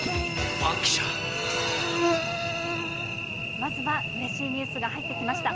まずはうれしいニュースが入ってきました。